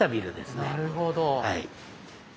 なるほど。